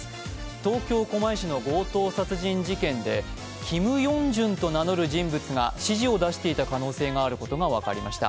東京・狛江市の強盗殺人事件で「ＫｉｍＹｏｕｎｇ−ｊｕｎ」と名乗る人物が指示を出していた可能性があることが分かりました。